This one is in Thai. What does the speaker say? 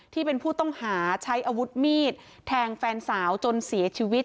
ที่เป็นผู้ต้องหาใช้อาวุธมีดแทงแฟนสาวจนเสียชีวิต